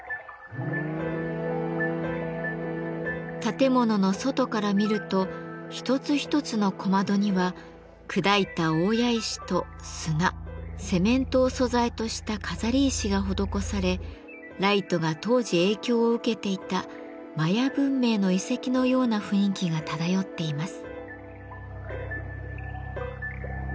建物の外から見ると一つ一つの小窓には砕いた大谷石と砂セメントを素材とした飾り石が施されライトが当時影響を受けていたマヤ文明の遺跡のような雰囲気が漂っています。